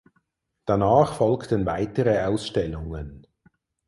Danach folgten weitere Ausstellungen.